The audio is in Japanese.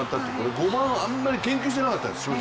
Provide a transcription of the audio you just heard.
５番、あんまり研究していなかったんです。